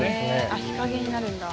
あ日陰になるんだ。